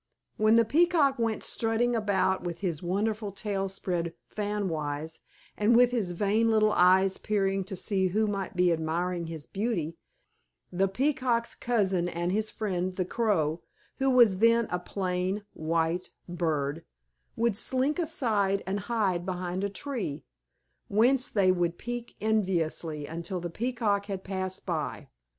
When the Peacock went strutting about with his wonderful tail spread fan wise, and with his vain little eyes peering to see who might be admiring his beauty, the Peacock's cousin and his friend the Crow, who was then a plain white bird, would slink aside and hide behind a tree, whence they would peep enviously until the Peacock had passed by.